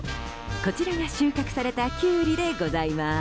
こちらが、収穫されたキュウリでございます。